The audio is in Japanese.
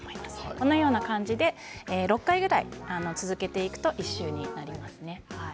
このような感じで６回ぐらい続けていくと１周できます。